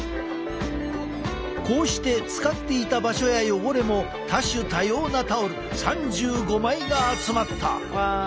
こうして使っていた場所や汚れも多種多様なタオル３５枚が集まった。